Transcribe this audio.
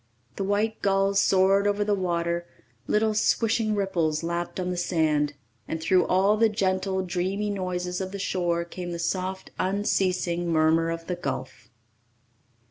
The white gulls soared over the water, little swishing ripples lapped on the sand, and through all the gentle, dreamy noises of the shore came the soft, unceasing murmur of the gulf.